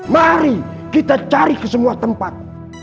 mari kita cari ke semua tempat